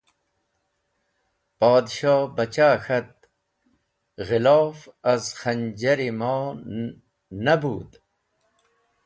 Podshohbachah k̃hat: “Ghilof az khanjar-e mo neh bud.